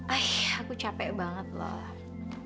ah aku capek banget loh